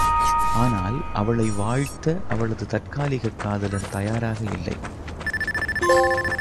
ஆனால், அவளை வாழ்த்த அவளது தற்காலிகக் காதலன் தயாராக இல்லை!